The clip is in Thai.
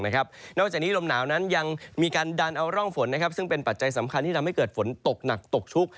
นอกจากนี้ลมหนาวนั้นยังมีการดันเอาร่องฝนซึ่งเป็นปัจจัยสำคัญที่ทำให้เกิดฝนตกหนักตกชุก